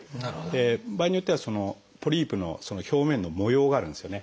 場合によってはポリープの表面の模様があるんですよね。